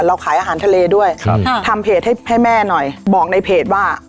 เราขายอาหารทะเลด้วยครับทำเพจให้ให้แม่หน่อยบอกในเพจว่า